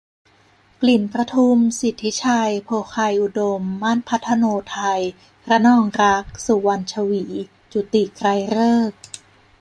กลิ่นประทุม สิทธิชัย โภไคยอุดม มั่น พัธโนทัย ระนองรักษ์ สุวรรณฉวี จุติ ไกรฤกษ์